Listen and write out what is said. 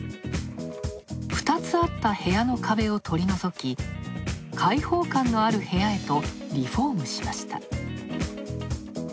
２つあった部屋の壁を取り除き、開放感のある部屋へとリフォームしました。